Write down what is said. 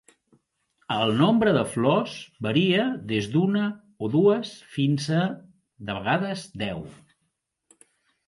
El nombre de flors varia des d'una o dues fins a, de vegades, deu.